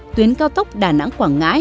tuyến cao tốc đà nẵng quảng ngãi